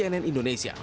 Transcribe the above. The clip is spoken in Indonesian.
tim liputan cnn indonesia